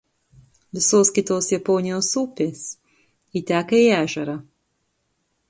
Visos kitos Japonijos upės įteka į ežerą.